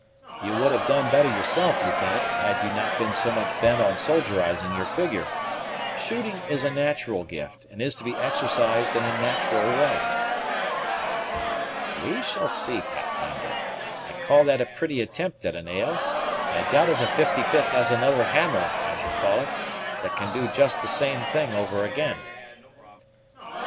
You would have done better yourself, Lieutenant, had you not been so much bent on soldierizing your figure. Shooting is a natural gift, and is to be exercised in a natural way." "We shall see, Pathfinder; I call that a pretty attempt at a nail; and I doubt if the 55th has another hammer, as you call it, that can do just the same thing over again."